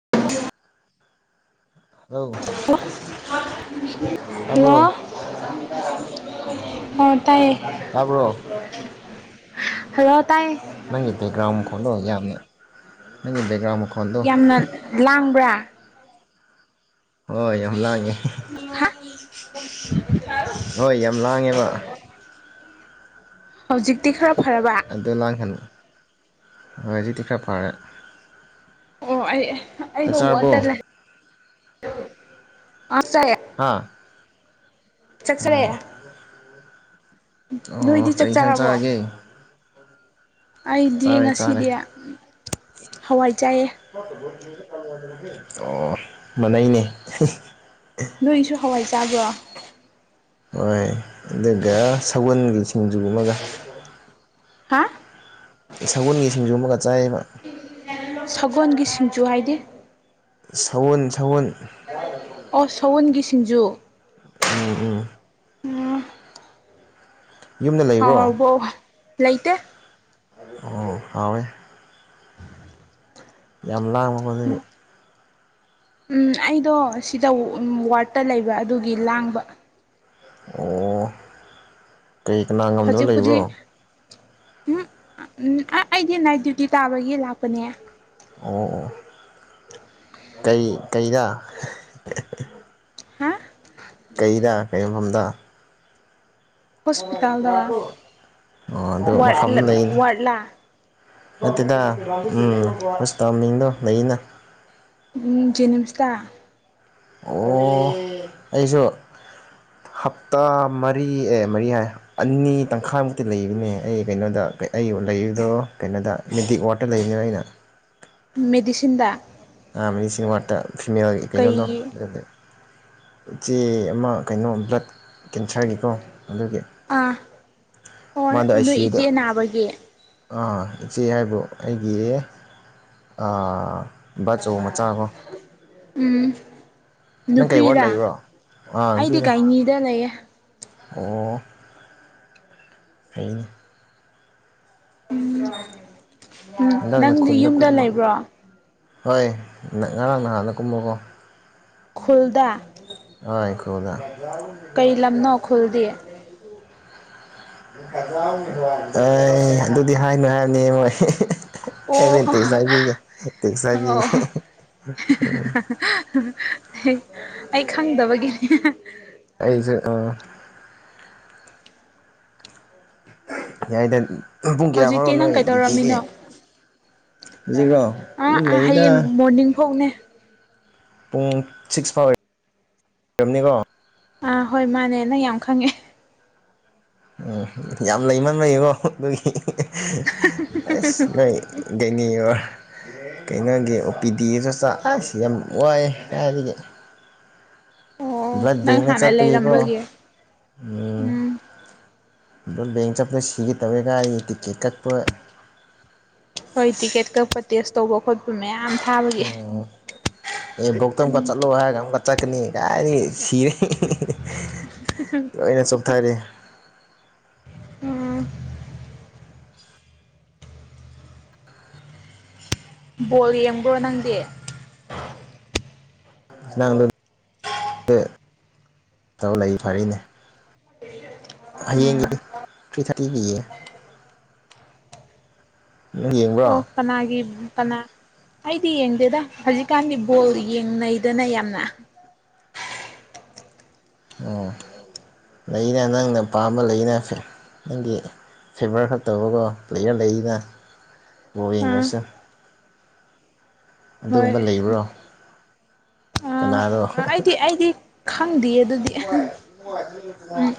[inaudible] ꯍ [inaudible] ꯇꯥꯔꯕꯣ ꯑ ꯇꯌꯦ ꯇꯥꯕ꯭ꯔꯣ ꯔ ꯅꯪꯒꯤꯇꯩꯦꯒ꯭ꯔꯥꯎꯝ ꯈꯣꯂꯣ ꯌꯥꯝꯅ ꯅꯪꯒꯤ ꯕꯦꯛꯒ꯭ꯔꯥꯎꯟ ꯃꯈꯣꯟꯗꯣ ꯌꯥꯝꯅ ꯂꯥꯡꯕ꯭ꯔꯥ ꯍꯣꯏ ꯌꯥꯝ ꯂꯥꯡꯉꯦ ꯎ ꯍꯣꯏ ꯌꯥꯝ ꯂꯥꯡꯉꯦꯕ ꯍꯧꯖꯤꯛꯇꯤ ꯈꯔꯥꯞ ꯑꯗ ꯂꯥꯡ ꯍꯅ ꯃꯖꯤꯀꯥꯏ ꯄꯥꯔꯦ ꯑꯣ ꯑꯩ ꯑꯩꯕꯨ ꯋꯥꯇꯔ ꯂꯩ ꯑꯁꯥꯏ ꯍꯥ ꯑꯣ ꯆꯆꯔꯦ ꯑꯣ ꯀꯩ ꯏꯟꯁꯥꯡ ꯆꯥꯔꯒꯦ ꯑꯩꯗꯤ ꯆꯥꯔꯦ ꯉꯁꯤꯗꯤ ꯆꯥꯔꯦ ꯍꯋꯥꯏ ꯆꯥꯏꯑꯦ ꯑꯣ ꯃꯅꯩꯅꯦ ꯅꯣꯏꯁꯨ ꯍꯋꯥꯏꯆꯕ꯭ꯔꯣ ꯍꯣꯏ ꯑꯗꯨꯒ ꯁꯥꯎꯟ ꯁꯤꯡꯖꯨ ꯑꯃꯒ ꯍꯥ ꯁꯎꯟꯒꯤ ꯁꯤꯡꯖꯨ ꯑꯃꯒ ꯆꯥꯏꯌꯦꯕ ꯐꯒꯣꯜꯒꯤ ꯁꯤꯡꯖꯨ ꯍꯥꯏꯗꯤ ꯁꯎꯟ ꯁꯎꯟ [unintelligible] ꯖꯨ ꯎꯝ ꯎꯝ ꯌꯨꯝꯗ ꯂꯩꯕ꯭ꯔꯣ ꯍꯥꯎꯔꯕꯣ ꯂꯩꯇꯦ ꯑꯣ ꯍꯥꯎꯋꯦ ꯌꯥꯝ ꯂꯥꯡꯃ ꯃꯗꯨꯒꯤ ꯎꯝ ꯑꯩꯗꯣ ꯁꯤꯗ ꯎꯝ ꯋꯥꯔꯠꯇ ꯂꯩꯕ ꯑꯗꯨꯒꯤ ꯂꯥꯡꯕ ꯑꯣ ꯀꯔꯤ ꯀꯅꯥ ꯉꯝꯗꯕ ꯂꯩꯕ꯭ꯔꯣ ꯍꯧꯖꯤꯛꯄꯨꯗꯤ ꯎꯝ ꯎꯝ ꯑ ꯑꯩꯗꯤ ꯅꯥꯏꯠ ꯗ꯭ꯌꯨꯇꯤ ꯇꯥꯕꯒꯤ ꯂꯥꯛꯄꯅꯦ ꯑꯣ ꯑꯣ ꯀꯩ ꯀꯩꯗ ꯍꯥ ꯀꯩꯗ ꯀꯩꯌꯐꯝꯗ ꯍꯣꯁꯄꯤꯇꯥꯜꯗ ꯑꯗꯨ ꯃꯐꯝ ꯋꯥꯠꯂꯞ ꯂꯩꯅ ꯋꯥꯠꯂ ꯅꯠꯇꯦꯗ ꯎꯝ ꯍꯣꯁꯇꯥꯜꯃꯤꯡꯗꯣ ꯂꯩꯅ ꯎꯝ ꯖꯦꯅꯤꯝꯁꯇ ꯑꯣ ꯑꯩꯁꯨ ꯍꯞꯇꯥ ꯃꯔꯤ ꯑꯦ ꯃꯔꯤ ꯍꯥꯏ ꯑꯅꯤ ꯇꯪꯈꯥꯏꯃꯨꯛꯇꯤ ꯂꯩꯕꯅꯦ ꯑꯩ ꯀꯩꯅꯣꯗ ꯑꯩ ꯂꯩꯗꯣ ꯀꯩꯅꯣꯗ ꯃꯤꯗꯤꯛ ꯋꯥꯠꯇ ꯂꯩꯕꯅꯦꯕ ꯑꯩꯅ ꯃꯦꯗꯤꯁꯤꯟꯗ ꯃꯦꯁꯤ ꯋꯥꯠꯇ ꯐꯤꯃꯦꯜꯒꯤ ꯀꯩꯅꯣꯗꯣ ꯀꯩꯒꯤ ꯑꯗꯨꯗꯤ ꯆꯦ ꯑꯃ ꯀꯩꯅꯣ ꯕ꯭ꯂꯠ ꯀꯦꯟꯁꯔꯒꯤꯀꯣ ꯑꯗꯨꯒꯤ ꯑꯥ ꯑꯣ ꯃꯥꯗꯣ ꯑꯥꯏ ꯁꯤ ꯅꯣꯏ ꯌꯨꯗ ꯏꯆꯦ ꯅꯥꯕꯒꯤ ꯑꯥ ꯏꯆꯦ ꯍꯥꯏꯕꯨ ꯑꯩꯒꯤ ꯑꯥ ꯕꯥ ꯆꯧ ꯃꯆꯥꯥꯒꯣ ꯎꯝ ꯋꯥꯔꯗ ꯅꯨꯄꯤꯔꯥ ꯂꯩꯕ꯭ꯔꯣ ꯑꯥ ꯑꯩꯗꯤ ꯅꯨꯄꯤꯅꯦ ꯒꯥꯏꯅꯤꯗ ꯂꯩꯌꯦ ꯑꯣ ꯐꯩꯅꯤ ꯎꯝ ꯎꯝ ꯍꯟꯗꯛꯅ ꯅꯪꯗꯤ ꯈꯨꯟꯗ ꯌꯨꯝꯗ ꯀꯨꯝꯕꯀꯣ ꯂꯩꯕ꯭ꯔꯣ ꯍꯣꯏ ꯉꯔꯥꯡ ꯅꯍꯥꯟꯅ ꯀꯨꯝꯕꯀꯣ ꯈꯨꯜꯗ ꯉꯥꯏꯈꯣꯗ ꯀꯩ ꯂꯝꯅꯣ ꯈꯨꯜꯗꯤ ꯑꯦ ꯑꯗꯨꯗꯤ ꯍꯥꯏꯅꯨ ꯍꯥꯏꯅꯤ ꯃꯣꯏ ꯑꯣ ꯑꯦꯃꯤ ꯍꯣ ꯇꯦꯛꯁꯇ ꯍꯥꯏꯕꯤꯒꯦ ꯇꯦꯛꯁꯇ ꯑꯣ ꯍꯥꯏꯕꯤꯒꯦ ꯎꯝ ꯑꯩ ꯑꯩ ꯈꯪꯗꯕꯒꯤ ꯑꯩꯁꯦ ꯑ ꯌꯥꯏꯗ ꯄꯨꯡ ꯀꯌꯥ ꯍꯧꯖꯤꯛꯇꯤ ꯐꯥꯎꯔꯣ ꯅꯪ ꯅꯣꯏ ꯀꯩꯗꯧꯔꯝꯃꯤꯅꯣ ꯗ꯭ꯌꯨꯇꯤꯗꯤ ꯍꯧꯖꯤꯛꯔꯣ ꯑꯥ ꯑꯗꯨꯝ ꯑꯥ ꯍꯌꯦꯡ ꯂꯩꯗ ꯃꯣꯔꯅꯤꯡ ꯐꯥꯎꯅꯦ ꯄꯨꯡ ꯁꯤꯛꯁ ꯐꯥꯎ ꯑꯣꯏꯝꯅꯤꯀꯣ ꯑꯥ ꯍꯣꯏ ꯃꯥꯅꯦ ꯅꯪ ꯌꯥꯝ ꯈꯪꯉꯦ ꯎꯝ ꯌꯥꯝ ꯂꯩꯃꯟꯕꯒꯤꯀꯣ ꯑꯗꯨꯒꯤ ꯑꯁ ꯂꯩ ꯗꯅꯤ ꯌꯦꯡꯉꯣ ꯀꯩꯅꯣꯒꯤ ꯑꯣ ꯄꯤ ꯗꯤꯒꯤꯖꯨ ꯆꯥꯛ ꯑꯁ ꯌꯥꯝ ꯋꯥꯏꯌꯦ ꯍꯥꯏꯕꯗꯤ ꯑꯣ ꯭ꯕ꯭ꯂꯗ ꯅꯪ ꯕꯦꯡꯛ ꯍꯥꯟꯅ ꯆꯠꯄꯒꯤꯀꯣ ꯂꯩꯔꯝꯕꯒꯤ ꯎꯝ ꯕ꯭ꯂꯗ ꯕꯦꯡ ꯆꯠꯄꯗ ꯁꯤꯒꯦ ꯇꯧꯋꯦ ꯀꯥꯏꯗꯒꯤ ꯇꯤꯛꯀꯦꯠ ꯀꯛꯄ ꯍꯣꯏ ꯇꯤꯛꯀꯦꯠ ꯀꯛꯄ ꯇꯦꯁ ꯇꯧꯕ ꯈꯣꯠꯄ ꯃꯌꯥꯝ ꯊꯥꯕꯒꯤ ꯎꯝ ꯑꯦ ꯒꯧꯇꯝꯒ ꯆꯂꯣ ꯍꯥꯏꯒ ꯑꯝꯒ ꯆꯠꯀꯅꯤ ꯀꯥꯏꯗꯒꯤ ꯁꯤꯔꯦ [unintelligible] ꯀꯔꯤ ꯎꯝ ꯕꯣꯜ ꯌꯦꯡꯕ꯭ꯔꯣ ꯅꯪꯗꯤ [unintelligible] ꯍꯌꯦꯡꯒꯤ ꯎꯝ ꯊ꯭ꯔꯤ ꯊꯥꯔꯇꯤꯒꯤꯌꯦ [unintelligible] ꯑꯣꯛꯄꯅꯥꯒꯤ ꯀꯅꯥ ꯑꯩꯗꯤ ꯌꯦꯡꯗꯦꯗ ꯍꯧꯖꯤꯛꯀꯥꯟꯗꯤ ꯕꯣꯜ ꯌꯦꯡꯅꯩꯗꯅ ꯌꯥꯝꯅ ꯑꯣ ꯂꯩꯅ ꯅꯪꯅ ꯄꯥꯝꯕ ꯂꯩꯅ ꯅꯪꯒꯤ ꯐꯦꯚꯔ ꯈꯛꯇꯧꯕꯀꯣ ꯄ꯭ꯂꯦꯌꯔ ꯂꯩꯅ ꯕꯣꯜ ꯑꯥ ꯌꯦꯡꯗ꯭ꯔꯁꯨ ꯑꯗꯨꯒꯨꯝꯕ ꯍꯣꯏ ꯂꯩꯕ꯭ꯔꯣ ꯑ ꯀꯅꯥꯔꯣ ꯑꯩꯗꯤ ꯑꯩꯗꯤ ꯈꯪꯗꯤꯌꯦ ꯑꯗꯨꯗꯤ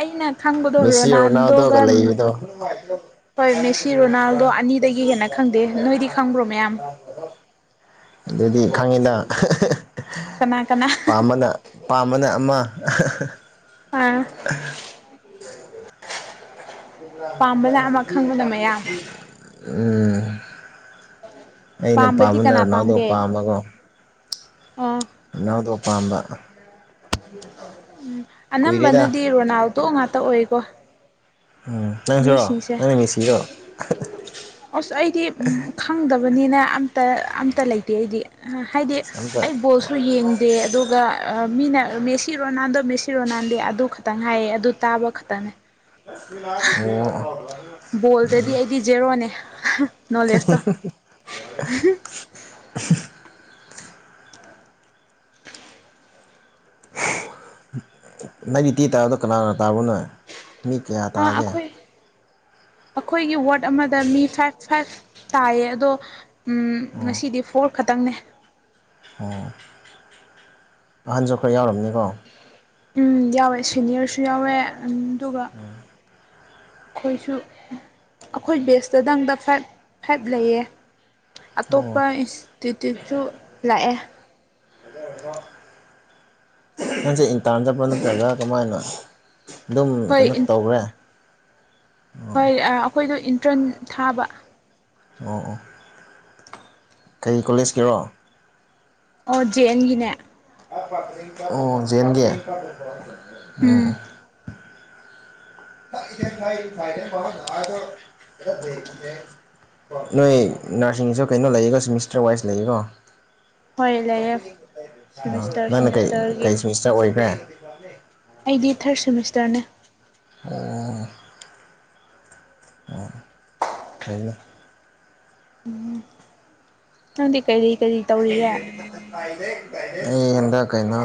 ꯑꯩꯅ ꯈꯪꯕꯗꯣ ꯃꯦꯁꯤ ꯔꯣꯅꯥꯜꯗꯣꯒ ꯔꯣꯅꯥꯟꯗꯣꯒ ꯂꯩꯕꯗꯣ ꯀꯩ ꯃꯦꯁꯤ ꯔꯣꯅꯥꯜꯗꯣ ꯑꯅꯤꯗꯒꯤ ꯍꯦꯟꯅ ꯈꯪꯗꯦ ꯅꯣꯏꯗꯤ ꯈꯪꯕ꯭ꯔꯣ ꯃꯌꯥꯝ ꯑꯗꯨꯗꯤ ꯈꯪꯉꯤꯗ ꯀꯅꯥ ꯀꯅꯥ ꯄꯥꯝꯕꯅ ꯄꯥꯝꯕꯅ ꯑꯃ ꯑꯥ [unintelligible] ꯄꯥꯝꯕꯅ ꯑꯃ ꯈꯪꯕꯅ ꯃꯌꯥꯝ ꯎꯝ ꯑꯩꯅ ꯄꯥꯝꯕꯗꯤ ꯄꯥꯝꯕꯅ ꯀꯅꯥ ꯔꯣꯅꯥꯜꯗꯣ ꯄꯥꯝꯒꯦ ꯄꯥꯝꯕꯀꯣ ꯑꯣ ꯔꯣꯅꯥꯜꯗꯣ ꯄꯥꯝꯕ ꯎꯝ ꯀꯨꯏꯔꯦꯗ ꯑꯅꯝꯕꯅꯗꯤ ꯔꯣꯅꯥꯜ ꯗꫭ ꯉꯥꯛꯇ ꯑꯣꯏꯀꯣ ꯎꯝ ꯅꯪꯁꯨꯔꯣ ꯃꯤꯁꯤꯡꯁꯦ ꯅꯪꯅ ꯃꯦꯁꯤꯔꯣ ꯑꯁ ꯑꯩꯗꯤ ꯈꯪꯗꯕ ꯇꯕꯅꯤꯅ ꯑꯝꯇ ꯑꯝꯇ ꯂꯩꯇꯦ ꯑꯩꯗꯤ ꯍꯥꯏꯗꯤ ꯑꯁ ꯑꯝꯇ ꯑꯩ ꯕꯣꯜꯁꯨ ꯌꯦꯡꯗꯦ ꯑꯗꯨꯒ ꯃꯤꯅ ꯃꯦ ꯁꯤ ꯔꯣꯅꯥꯟꯗꯣ ꯃꯦꯁꯤ ꯔꯣꯅꯥꯟꯗꯦ ꯑꯗꯨ ꯈꯛꯇꯪ ꯍꯥꯏꯌꯦ ꯑꯗꯨ ꯇꯥꯕ ꯈꯇꯅꯦ ꯑꯣ ꯕꯣꯜꯗꯗꯤ ꯑꯩꯗꯤ ꯖꯦꯔꯣꯅꯦ [unintelligible] ꯅꯣꯂꯦꯁꯇꯣ ꯎꯝꯍꯛ [unintelligible] ꯅꯪꯒꯤ ꯇꯤ ꯇꯥꯕꯗꯣ ꯀꯅꯥꯅ ꯇꯥꯕ꯭ꯔꯣꯅꯦ ꯃꯤ ꯀꯌꯥ ꯇꯥꯒꯦ ꯑꯈꯣꯏꯒꯤ ꯋꯥꯔꯗ ꯑꯃꯗ ꯃꯤ ꯐꯥꯏꯚ ꯐꯥꯏꯚ ꯇꯥꯏꯌꯦ ꯑꯗꯣ ꯎꯝ ꯑꯣ ꯉꯁꯤꯗꯤ ꯐꯣꯔ ꯈꯇꯪꯅꯦ ꯑꯣ ꯑꯍꯟꯁꯨ ꯈꯔ ꯌꯥꯎꯔꯝꯅꯤ ꯑꯣ ꯎꯝ ꯌꯥꯎꯋꯦ ꯁꯤꯅꯤꯌꯔꯁꯨ ꯌꯥꯎꯋꯦ ꯎꯝ ꯎꯝ ꯑꯈꯣꯏꯁꯨ ꯑꯈꯣꯏ ꯕꯦꯁꯇꯗꯪꯗ ꯐꯥꯏꯚ ꯐꯥꯏꯚ ꯂꯩꯌꯦ ꯑꯇꯣꯞꯄ ꯑꯣ ꯏꯁꯇꯤꯇ꯭ꯌꯨꯠꯁꯨ ꯂꯥꯛꯑꯦ ꯅꯪꯖꯦ ꯏꯟꯇꯔꯟ ꯆꯠꯄꯗ ꯇꯧꯏꯔ ꯅꯠꯇ꯭ꯔꯒ ꯀꯃꯥꯏꯅ ꯑꯗꯨꯝ ꯀꯩꯅꯣ ꯍꯣꯏ ꯇꯧꯒ꯭ꯔ‌ꯦ ꯍꯣꯏ ꯑ ꯑꯈꯣꯏꯗꯣ ꯏꯟ ꯇ꯭ꯔꯟ ꯊꯥꯕ ꯑꯣ ꯑꯣ ꯀꯩ ꯀꯣꯂꯦꯖꯀꯤꯔꯣ ꯑꯣ ꯖꯦꯑꯦ ꯟꯒꯤꯅꯦ ꯑꯣ ꯖꯦꯟꯒꯤ ꯑꯣꯑꯣ ꯎꯝ ꯅꯣꯏ ꯅꯔꯁꯤꯡꯁꯨ ꯀꯩꯅꯣ ꯂꯩꯌꯦꯀꯣ ꯁꯤꯃꯤꯁꯇꯔ ꯋꯥꯏꯁ ꯂꯩꯌꯦꯀꯣ ꯍꯣꯏ ꯂꯩꯌꯦ ꯁꯤꯃꯤꯁꯇꯔ ꯅꯪꯅ ꯀꯩ ꯀꯩ ꯁꯤꯃꯤꯁꯇꯔꯒꯤ ꯃꯤꯁꯇ ꯑꯣꯏꯈ꯭ꯔꯦ ꯂꯦ ꯑꯩꯗꯤ ꯊꯥꯔꯠ ꯁꯦꯃꯤꯁꯇꯔꯅꯦ ꯑꯣ [unintelligible] ꯍ ꯀꯔꯤ ꯀꯔꯤ ꯇꯧꯔꯤꯌꯦꯦ ꯑꯩ ꯍꯦꯟꯗ ꯀꯩꯅꯣ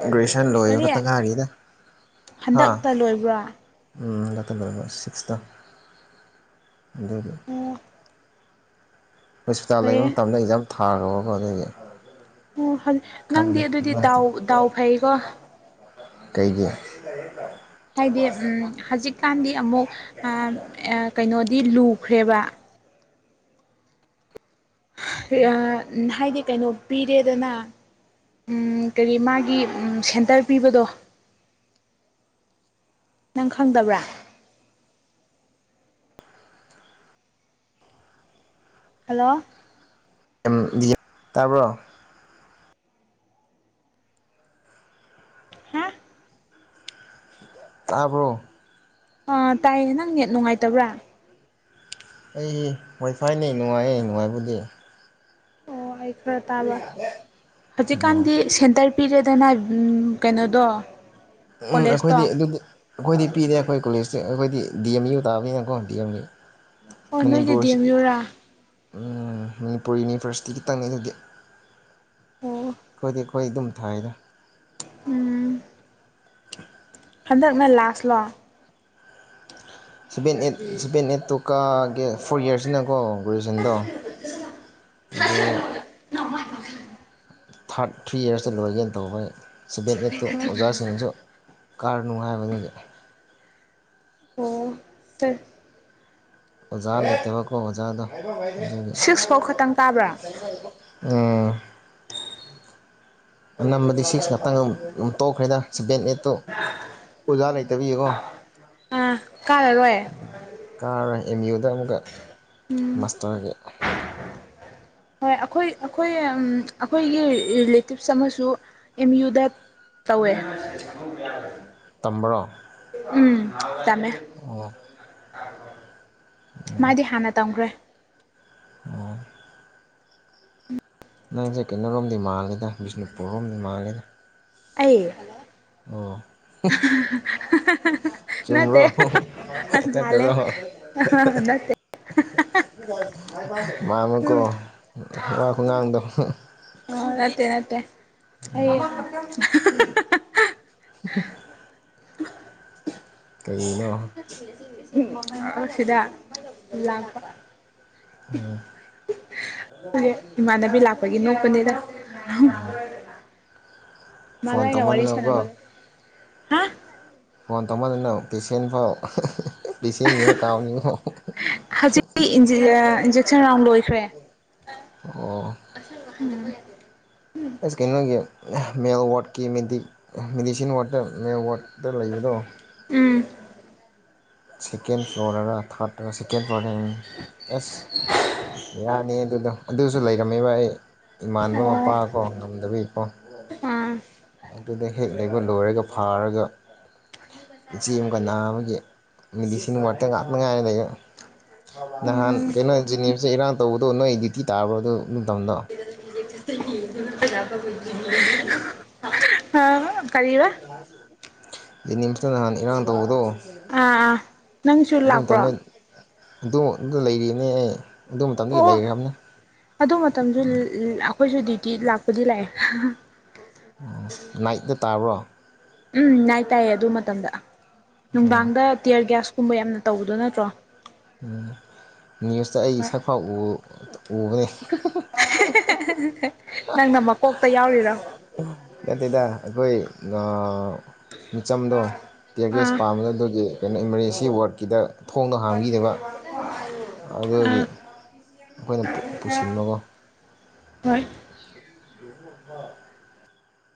ꯒꯦꯖꯨꯌꯦꯁꯟ ꯀꯔꯤ ꯂꯣꯏꯣꯌꯇꯪꯒꯥꯥꯔꯤꯗ ꯍꯥꯥ ꯍꯟꯗꯛꯇ ꯂꯣꯏꯕ꯭ꯔꯣ ꯎ ꯂꯥꯛꯇ ꯁꯤꯁꯇ ꯑꯗꯨꯒꯗ ꯑꯣ ꯍꯣꯁꯄꯤꯇꯥꯜ ꯂꯩꯕ ꯐꯩꯌꯦ ꯑꯃ ꯇꯝꯅ ꯑꯦꯛꯖꯥꯝ ꯊꯔꯒꯕꯒ ꯑꯗꯨꯦ ꯑꯣ ꯍꯥꯏꯗꯤ ꯅꯪꯗꯤ ꯑꯗꯨꯗꯤ ꯗꯥꯎ ꯗꯥꯎ ꯐꯩꯀꯣ ꯀꯩꯒꯤ ꯍꯥꯏꯗꯤ ꯎ ꯍꯧꯖꯤꯛꯀꯥꯟꯗꯤ ꯑꯃꯨꯛ ꯀꯩꯅꯣ ꯗꯤ ꯂꯨꯈ꯭ꯔꯦꯕ ꯍꯥꯏꯗꯤ ꯀꯩꯅꯣ ꯄꯤꯔꯦꯗꯅ ꯀꯔꯤ ꯃꯥꯒꯤ ꯁꯦꯟꯇꯔ ꯄꯤꯕꯗꯣ ꯅꯪ ꯈꯪꯗꯕ꯭ꯔꯥ ꯍꯜꯂꯣ ꯗꯤ ꯇꯥꯕ꯭ꯔꯣ ꯍꯥ ꯇꯥꯕ꯭ꯔꯣ ꯑ ꯇꯥꯏꯌꯦ ꯅꯪ ꯅꯦꯠ ꯅꯨꯡꯉꯥꯏꯇꯕ꯭ꯔꯥ ꯑꯩ ꯋꯥꯏꯐꯥꯏꯅꯦ ꯅꯨꯡꯉꯥꯏꯌꯦ ꯅꯨꯡꯉꯥꯏꯕꯨꯗꯤ ꯑꯣ ꯈꯔ ꯇꯥꯕ ꯍꯧꯖꯤꯛꯀꯥꯟꯗꯤ ꯁꯦꯟꯇꯔ ꯄꯤꯔꯦꯗꯅ ꯀꯩꯅꯣꯗꯣ ꯎꯝ ꯑꯩꯈꯣꯏꯗꯤ ꯀꯣꯂꯦꯖꯇꯣ ꯑꯗꯨꯗꯤ ꯑꯩꯈꯣꯏꯗꯤ ꯄꯤꯔꯦ ꯑꯩꯈꯣꯏ ꯀꯣꯂꯦꯖꯇ ꯑꯩꯈꯣꯏꯗꯤ ꯗꯤꯌꯥꯃꯤ ꯀꯇꯥꯕꯅꯤ ꯑꯒꯣꯟꯃꯤ ꯑꯣ ꯅꯣꯏꯗꯗꯤꯦꯝ ꯌꯨꯔꯥ ꯃꯅꯤꯄꯨꯔ ꯌꯨꯅꯤꯚꯔꯁꯤꯇꯤ ꯇꯪꯅꯤ ꯑꯗꯨꯗꯤ ꯑꯣ ꯈꯣꯏꯗꯩꯩ ꯑꯩꯈꯣꯏ ꯑꯗꯨꯝ ꯊꯥꯏꯗ ꯎꯝ ꯍꯟꯗꯛꯅ ꯂꯥꯁꯂꯣ ꯁꯤꯕꯦꯟ ꯑꯦ ꯁꯤꯕꯦꯟ ꯑꯦꯠ ꯇꯣꯛꯀꯦ ꯐꯣꯔ ꯏꯌꯥꯔꯁꯁꯤꯅꯀꯣ ꯒ꯭ꯔꯦꯖꯨꯋꯌꯦꯁꯟꯗꯣ ꯑꯗꯣ ꯊꯥꯔꯠ ꯊ꯭ꯔꯤ ꯏꯔꯁꯇ ꯂꯣꯏꯒꯦꯅ ꯇꯧꯕꯩ ꯁꯤꯕꯦꯠꯂꯇꯣ ꯑꯣꯖꯁꯤꯡꯁꯨ ꯀꯥꯔ ꯅꯨꯡꯉꯥꯏꯕꯗꯨꯗꯤ ꯑꯣ ꯐ ꯑꯣꯖꯥꯗ ꯂꯩꯠꯇꯦꯕꯀꯣ ꯑꯣꯖꯥꯗꯣ ꯁꯤꯛꯁ ꯐꯥꯎ ꯈꯛꯇꯪ ꯀꯥꯕ꯭ꯔꯥ [unintelligible] ꯎꯝ ꯅꯝꯕꯗꯤ ꯁꯤꯛꯁ ꯈꯛꯇꯪ ꯇꯣꯛꯈ꯭ꯔꯦꯗ ꯁꯕꯦꯟ ꯑꯦꯠꯇꯨ ꯑꯣꯖꯥ ꯂꯩꯇꯕꯤꯌꯦꯀꯣ ꯑꯥ ꯀꯥꯔꯔꯣꯏ ꯀꯥ ꯑꯦꯝ ꯌꯨꯗ ꯑꯃꯨꯛꯀ ꯎꯝ ꯃꯥꯁꯇꯔꯒꯤ ꯍꯣꯏ ꯑꯩꯈꯣꯏ ꯑꯩꯈꯣꯏ ꯑꯩꯈꯣꯏꯒꯤ ꯔꯤꯂꯦꯇꯤꯞꯁ ꯑꯃꯁꯨ ꯑꯦꯝ ꯌꯨꯗ ꯇꯧꯋꯦ ꯇꯝꯕ꯭ꯔꯣ ꯇꯃꯦ ꯑꯣ ꯃꯥꯗꯤ ꯍꯥꯟꯅ ꯇꯝꯈ꯭ꯔꯦ ꯑꯣ ꯅꯪꯁꯦ ꯀꯩꯅꯣꯔꯣꯝꯗꯤ ꯃꯥꯜꯂꯤꯦꯗ ꯕꯤꯁꯅꯨꯄꯨꯔ ꯔꯣꯝ ꯏꯃꯥꯡꯉꯦꯅ ꯑꯩꯌꯦ ꯑꯣ ꯅꯠꯇꯦ ꯆꯨꯝꯕ꯭ꯔꯣ ꯅꯠꯇ꯭ꯔꯣ ꯂꯥꯜꯂꯦ ꯌꯥꯥꯏ ꯅꯠꯇꯦ ꯀꯥꯎꯦ ꯃꯥꯃꯀ ꯋꯥ ꯈꯨꯒꯥꯡꯗ ꯅꯠꯇꯦ ꯅꯠꯇꯦ ꯍ ꯎ [unintelligible] [inaudible] ꯀꯩꯅꯣ ꯎ ꯁꯤꯗ ꯏ ꯂꯥꯛꯄ ꯑꯣ ꯃꯒꯤ ꯏ ꯅꯣꯛꯀꯅꯤꯗ [inaudible] ꯐꯣꯟ ꯇꯧꯃꯅꯤꯣꯀꯣ ꯍꯥ ꯐꯣꯟ ꯇꯧꯃꯟꯗꯅ ꯄꯦꯁꯦꯟꯐꯥꯎ ꯂꯤꯗꯤꯁꯅꯤ ꯑꯃ ꯀꯥꯎꯅꯤꯉꯣ ꯑꯝ ꯂꯣꯏꯈ꯭ꯔꯦ ꯑꯣ ꯑꯁ ꯀꯩꯅꯣꯒꯤ ꯃꯦꯜ ꯋꯥꯠꯀꯤ ꯃꯦꯗꯤꯁꯤꯟ ꯋꯥꯠꯇ ꯃꯦꯜ ꯋꯥꯗ ꯗ ꯂꯩꯕꯗꯣ ꯎꯝ ꯁꯦꯀꯦꯟ ꯐ꯭ꯂꯣꯔꯔꯔ ꯊꯥꯔꯗ ꯁꯦꯀꯦꯟ ꯐ꯭ꯂꯣꯔꯔ ꯑꯦꯁ [unintelligible] [inaudible] ꯌꯥꯅꯤ ꯑꯗꯨꯗꯣ ꯑꯗꯨꯁꯨ ꯂꯩꯔꯝꯃꯦꯕ ꯑꯩ ꯏꯃꯟꯅꯕ ꯃꯄꯥ ꯑꯣ ꯀꯣ ꯉꯝꯗꯕꯤꯒꯤ ꯑ [unintelligible] ꯑꯥ ꯑꯗꯨꯗ ꯍꯦꯛ ꯂꯩꯕ ꯂꯣꯏꯔꯒ ꯐꯥꯔꯒ ꯏꯆꯦ ꯑꯃꯀ ꯅꯥꯕꯒꯤ ꯃꯦꯗꯤꯁꯤꯟ ꯋꯥꯔꯗꯇ ꯉꯥꯞꯅꯉꯥꯏ ꯂꯩ ꯅꯍꯥꯟ ꯎꯝ ꯀꯩꯅꯣ ꯖꯤꯅꯤꯝꯁ ꯏꯔꯥꯡ ꯇꯧꯕꯗꯣ ꯅꯣꯏ ꯗ꯭ꯌꯨꯇꯤ ꯇꯥꯕ꯭ꯔꯣ ꯑꯗꯨ ꯅꯤꯡꯗꯥꯡꯗꫭ ꯎꯝ [unintelligible] ꯀꯔꯤꯕ [unintelligible] ꯖ‌ꯦꯅꯤꯁꯇꯥ ꯅꯍꯥꯟ ꯏꯔꯥꯡ ꯇꯧꯕꯗꯣ ꯑꯥ ꯑꯥ ꯅꯪꯁꯨ ꯑꯗꯨ ꯂꯥꯛꯄ꯭ꯔꯣ ꯃꯇꯝꯗ ꯑꯗꯨ ꯑꯗꯨ ꯂꯩꯔꯤꯅꯦ ꯑꯩ ꯑꯗꯨ ꯃꯇꯝꯗꯒꯤ ꯑꯣ ꯂꯩꯔꯕꯅꯤ ꯑꯗꯨ ꯃꯇꯝꯗꯨ ꯑꯩꯈꯣꯏꯁꯨ ꯗ꯭ꯌꯨꯇꯤ ꯂꯥꯛꯄꯗꯤ ꯂꯥꯛꯑꯦ ꯅꯥꯏꯠ ꯇꯥ ꯇꯥꯕ꯭ꯔꯣ ꯎꯝ ꯅꯥꯏꯠ ꯇꯥꯏꯌꯦ ꯑꯗꯨ ꯃꯇꯝꯗ ꯑꯣ ꯅꯨꯡꯗꯥꯡꯗ ꯇꯤꯌꯔꯒ꯭ꯌꯥꯁ ꯀꯨꯝꯕ ꯌꯥꯝꯅ ꯇꯧꯕꯗꯣ ꯅꯠꯇ꯭ꯔꯣ ꯅ꯭ꯌꯨꯁꯇ ꯑꯩꯒꯤ ꯍꯣꯏ ꯁꯛꯐꯥꯎꯕ ꯎꯕꯅꯦ [unintelligible] ꯃꯀꯣꯛꯇ ꯌꯥꯎꯔꯤꯔꯣ ꯅꯠꯇ‌ꯦꯗ ꯑꯩꯈꯣꯏ ꯅ ꯃꯤꯆꯝꯗꯣ ꯇꯤꯌꯔꯒꯦꯖ ꯑꯥ ꯄꯥꯝꯕꯗꯣ ꯑꯗꯨꯒꯤ ꯀꯩꯅꯣ ꯏꯪꯂꯤꯁꯀꯤ‌ ꯋꯥꯔꯗꯀꯤꯗ ꯊꯣꯡꯗ ꯍꯥꯝꯕꯤꯗꯕ ꯑꯗꯨꯒꯤ ꯑꯥ ꯑꯩꯈꯣꯏꯅ ꯄꯨꯁꯤꯟꯕꯀꯣ ꯍꯣꯏ ꯋꯥ [unintelligible]